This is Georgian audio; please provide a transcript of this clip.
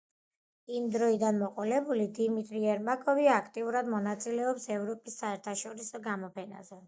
იმ დროიდან მოყოლებული დიმიტრი ერმაკოვი აქტიურად მონაწილეობს ევროპის საერთაშორისო გამოფენებზე.